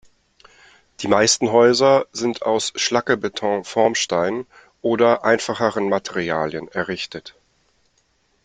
Die meisten Häuser sind aus Schlackebeton-Formsteinen oder einfacheren Materialien errichtet.